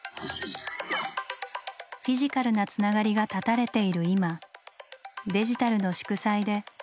フィジカルなつながりが絶たれている今デジタルの祝祭で同じ「時」を共有する。